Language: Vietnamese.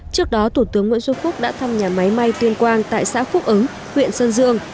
trước đó thủ tướng nguyễn xuân phúc đã thăm nhà máy may tuyên quang tại xã phúc ứng huyện sơn dương